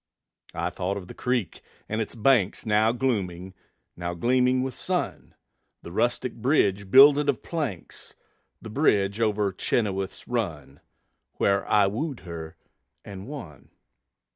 I thought of the creek and its banks, Now glooming, now gleaming with sun; The rustic bridge builded of planks, The bridge over Chenoweth's Run, Where I wooed her and won.